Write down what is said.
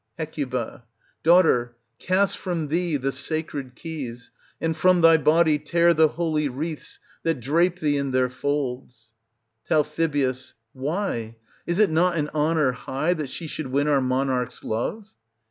Hec Daughter, cast from thee the sacred keys, and from thy body tear the holy wreaths that drape thee in their folds. Tal. Why ! is it not an honour high that she should win our monarch's love